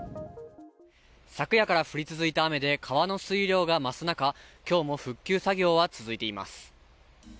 昨夜から降り続いた雨で川の水量が増す中、今日も復旧作業は続いています。